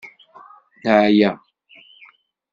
Neɛya.